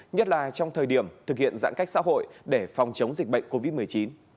nhất là trong thời điểm thực hiện giãn cách xã hội để phòng chống dịch bệnh covid một mươi chín